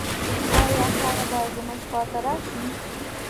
آيا هغه به زموږ خواته راشي؟